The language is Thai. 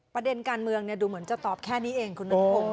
ประเด็นการเมืองดูเหมือนจะตอบแค่นี้เองคุณนัทพงศ์